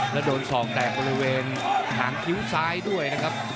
แล้วโดนศอกแตกบริเวณหางคิ้วซ้ายด้วยนะครับ